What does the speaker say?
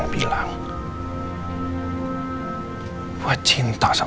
lo bilang sedih karena perpisahan